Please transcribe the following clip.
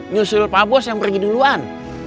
nyusul pak bos yang pergi duluan